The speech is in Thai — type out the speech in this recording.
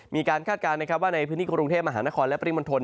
คาดการณ์นะครับว่าในพื้นที่กรุงเทพมหานครและปริมณฑล